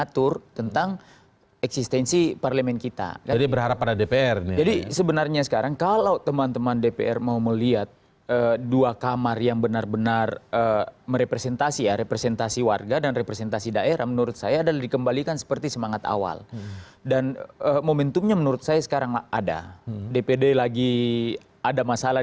tetaplah bersama kami di cnn indonesia prime news